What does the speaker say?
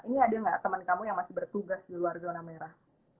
ini ada nggak teman kamu yang masih bertugas di luar zona merah